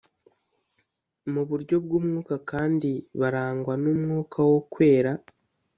mu buryo bw umwuka kandi barangwa n umwuka wo kwera